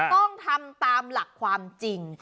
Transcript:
ต้องทำตามหลักความจริง